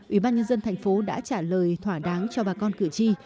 ủy ban nhân dân thành phố đã trả lời thỏa đáng cho bà con cử tri